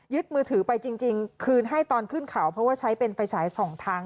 มือถือไปจริงคืนให้ตอนขึ้นเขาเพราะว่าใช้เป็นไฟฉายสองทาง